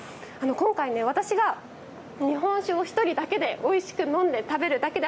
今回ね私が日本酒を１人だけでおいしく飲んで食べるだけではもちろんありません。